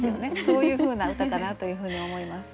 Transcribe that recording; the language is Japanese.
そういうふうな歌かなというふうに思います。